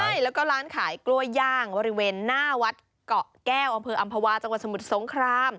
ใช่แล้วก็ร้านขายกล้วยย่างบริเวณหน้าวัดเกาะแก้วอำเภออำภาวาจังหวัดสมุทรสงคราม